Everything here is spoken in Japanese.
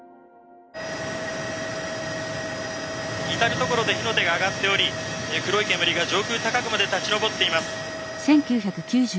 「至る所で火の手が上がっており黒い煙が上空高くまで立ち上っています」。